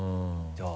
じゃあ。